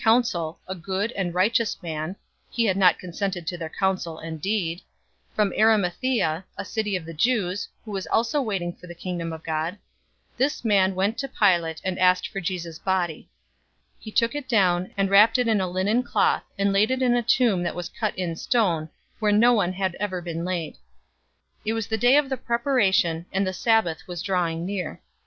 023:050 Behold, a man named Joseph, who was a member of the council, a good and righteous man 023:051 (he had not consented to their counsel and deed), from Arimathaea, a city of the Jews, who was also waiting for the Kingdom of God: 023:052 this man went to Pilate, and asked for Jesus' body. 023:053 He took it down, and wrapped it in a linen cloth, and laid him in a tomb that was cut in stone, where no one had ever been laid. 023:054 It was the day of the Preparation, and the Sabbath was drawing near.